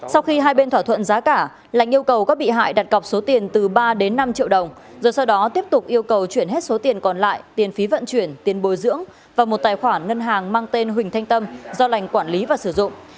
sau khi hai bên thỏa thuận giá cả lành yêu cầu các bị hại đặt cọc số tiền từ ba đến năm triệu đồng rồi sau đó tiếp tục yêu cầu chuyển hết số tiền còn lại tiền phí vận chuyển tiền bồi dưỡng và một tài khoản ngân hàng mang tên huỳnh thanh tâm do lành quản lý và sử dụng